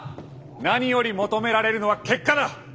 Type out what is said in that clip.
何より求められるのは結果だ。